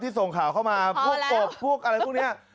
ที่ส่งข่าวเข้ามาพวกเนี่ย